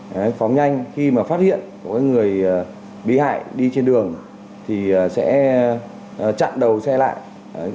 phóng nhanh khi mà phát hiện có người bị hại đi trên đường thì sẽ chặn đầu xe lại